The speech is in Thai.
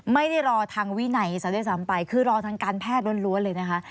ไม่ได้รอทางวินัยซะด้วยซ้ำไปคือรอทางการแพทย์ล้วนเลยนะคะ